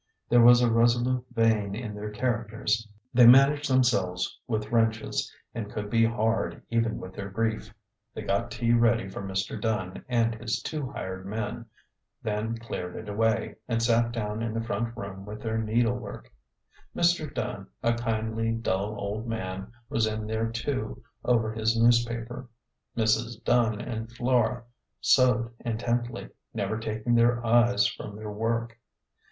There was a resolute vein in their characters ; they man aged themselves with wrenches, and could be hard even with their grief. They got tea ready for Mr. Dunn and his two hired men ; then cleared it away, and sat down in the front room with their needlework. Mr. Dunn, a kindly, dull old man, was in there too, over his newspaper. Mrs. Dunn and Flora sewed intently, never taking their eyes from their work.